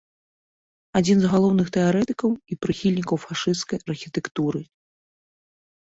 Адзін з галоўных тэарэтыкаў і прыхільнікаў фашысцкай архітэктуры.